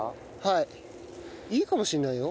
いいかもしれないよ。